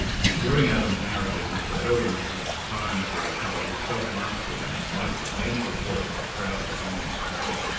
During Adam's narrative, Mr. Irwine had had time to recover his self mastery in spite of the painful thoughts that crowded upon him.